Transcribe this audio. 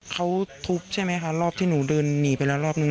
เขาทุบใช่ไหมคะรอบที่หนูเดินหนีไปแล้วรอบนึง